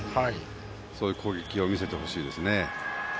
そういう攻撃を見せてほしいですね。